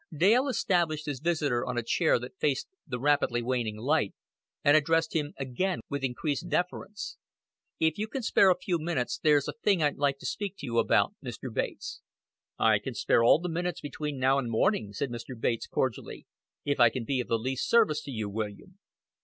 Dale established his visitor on a chair that faced the rapidly waning light, and addressed him again with increased deference. "If you can spare a few minutes, there's a thing I'd like to speak to you about, Mr. Bates." "I can spare all the minutes between now and morning," said Mr. Bates cordially, "if I can be of the least service to you, William."